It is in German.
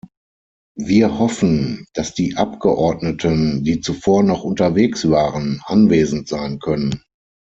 Wir hoffen, dass die Abgeordneten, die zuvor noch unterwegs waren, anwesend sein können.